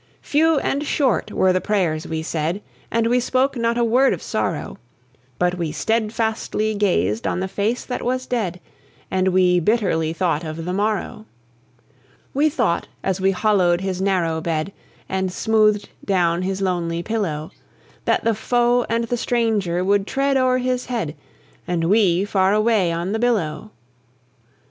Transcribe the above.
Few and short were the prayers we said, And we spoke not a word of sorrow; But we steadfastly gazed on the face that was dead, And we bitterly thought of the morrow. We thought, as we hollowed his narrow bed, And smoothed down his lonely pillow, That the foe and the stranger would tread o'er his head, And we far away on the billow!